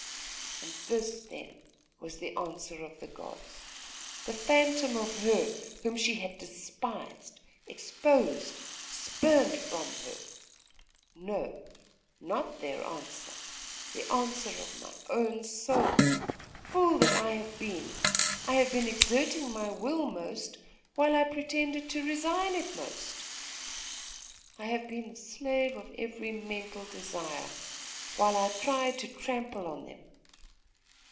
And this, then, was the answer of the gods! The phantom of her whom she had despised, exposed, spurned from her! 'No, not their answer the answer of my own soul! Fool that I have been! I have been exerting my will most while I pretended to resign it most! I have been the slave of every mental desire, while I tried to trample on them!